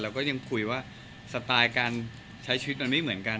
ก็ยังคุยว่าสไตล์การใช้ชีวิตมันไม่เหมือนกัน